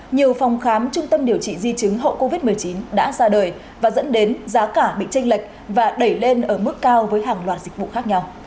nhiều phòng khám trung tâm điều trị di chứng hậu covid một mươi chín đã ra đời và dẫn đến giá cả bị tranh lệch và đẩy lên ở mức cao với hàng loạt dịch vụ khác nhau